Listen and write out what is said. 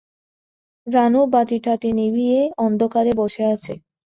রানু বাতিটাতি নিভেয়ে অন্ধকারে বসে আছে।